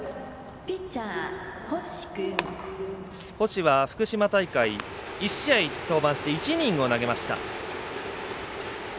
星は福島大会１試合登板して１イニングを投げました。